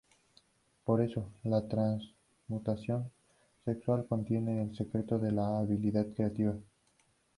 Por eso, la transmutación sexual contiene el secreto de la habilidad creativa.